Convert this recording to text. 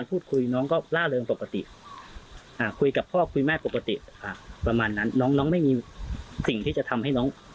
ปกติคุยกับพ่อคุยแม่ปกติประมาณนั้นน้องน้องไม่มีสิ่งที่จะทำให้น้อง